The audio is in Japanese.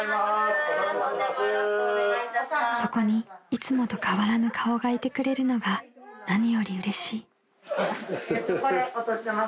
［そこにいつもと変わらぬ顔がいてくれるのが何よりうれしい］